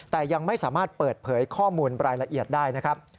แต่ยังไม่สามารถเปิดเผยข้อมูลรายละเอียดได้นะครับ